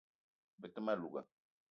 Be te ma louga